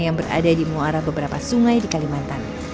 yang berada di muara beberapa sungai di kalimantan